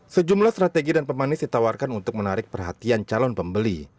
sejumlah strategi dan pemanis ditawarkan untuk menarik perhatian calon pembeli